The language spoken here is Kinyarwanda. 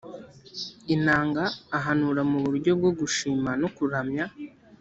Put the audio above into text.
inanga ahanura mu buryo bwo gushima no kuramya